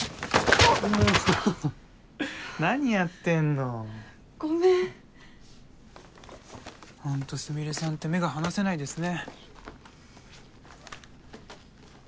おっおお何やってんのごめんホントスミレさんって目が離せないですね